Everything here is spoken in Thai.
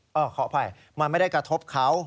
ขออภัยมันไม่ได้กระทบเขา